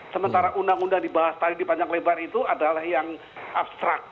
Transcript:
sementara undang undang dibahas tadi di panjang lebar itu adalah yang abstrak